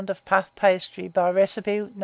of puff paste by recipe No.